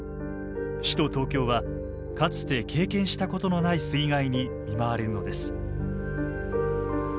首都東京はかつて経験したことのない水害に見舞われるのです。